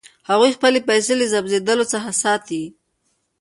هغوی خپلې پیسې له ضبظېدلو څخه ساتي.